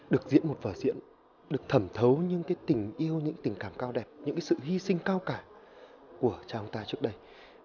được diễn một vở diễn được thẩm thấu những tình yêu những tình cảm cao đẹp những sự hy sinh cao cả của cha ông ta trước đây